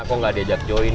kok nggak diajak join